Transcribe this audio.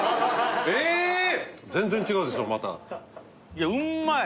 いやうんまい！